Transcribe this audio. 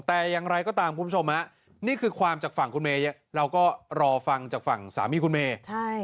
แต่อย่างไรก็ตามคุณผู้ชมฮะนี่คือความจากฝั่งคุณเมย์เราก็รอฟังจากฝั่งสามีคุณเมย์ใช่